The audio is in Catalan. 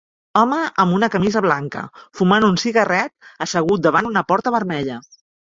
Home amb una camisa blanca, fumant un cigarret, assegut davant una porta vermella.